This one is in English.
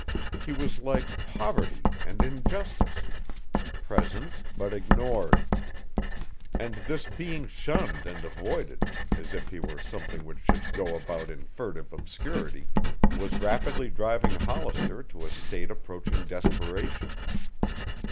He was like poverty and injustice, present but ignored. And this being shunned and avoided, as if he were something which should go about in furtive obscurity, was rapidly driving Hollister to a state approaching desperation.